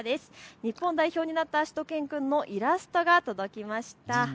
日本代表になったしゅと犬くんのイラストが届きました。